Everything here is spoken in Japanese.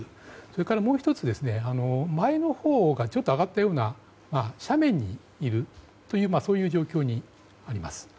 それからもう１つ、前のほうがちょっと上がったような斜面にいるという状況にあります。